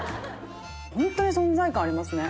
ホントに存在感ありますね。